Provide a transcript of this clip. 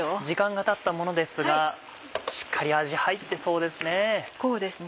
時間がたったものですがしっかり味入ってそうですね。